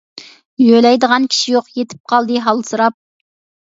يۆلەيدىغان كىشى يوق، يېتىپ قالدى ھالسىراپ.